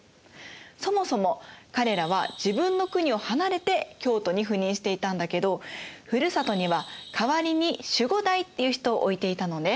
そもそも彼らは自分の国を離れて京都に赴任していたんだけどふるさとには代わりに守護代っていう人を置いていたのね。